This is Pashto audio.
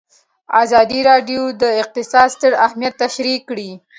ازادي راډیو د اقتصاد ستر اهميت تشریح کړی.